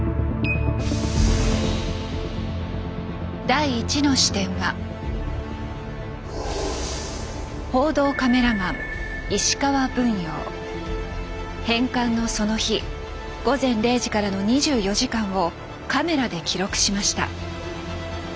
第１の視点は返還のその日午前０時からの２４時間をカメラで記録しました。